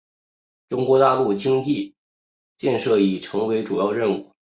中国大陆经济建设已成为主要任务。